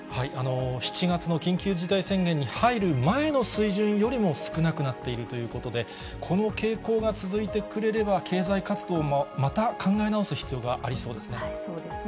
７月の緊急事態宣言に入る前の水準よりも少なくなっているということで、この傾向が続いてくれれば、経済活動もまた考え直す必要がありそうですね。